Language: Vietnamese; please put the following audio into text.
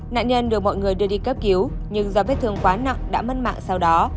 nạn nhân được mọi người đưa đi cấp cứu nhưng do vết thương quá nặng đã mất mạng sau đó